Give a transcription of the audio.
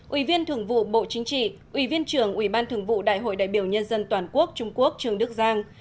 ủy viên thường vụ bộ chính trị ủy viên trưởng ủy ban thường vụ đại hội đại biểu nhân dân toàn quốc trung quốc trương đức giang